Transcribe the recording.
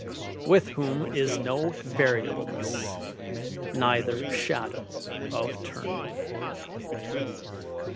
TORONTO] "With whom is no variableness, neither shadow of turning."